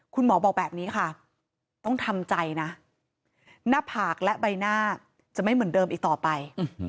คุณหมอบอกแบบนี้ค่ะต้องทำใจนะหน้าผากและใบหน้าจะไม่เหมือนเดิมอีกต่อไป